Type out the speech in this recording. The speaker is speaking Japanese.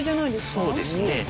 そうですね。